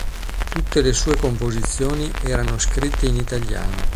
Tutte le sue composizioni erano scritte in italiano.